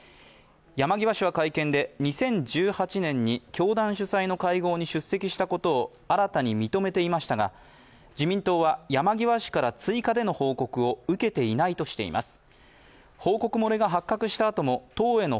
山際氏は会見で、２０１８年に教団主催の会合に出席したことを新たに認めていましたが自民党は山際氏から追加での報告を受けていないとしています。